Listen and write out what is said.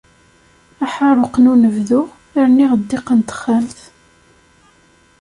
Aḥaruq n unebdu, rniɣ ddiq n texxamt.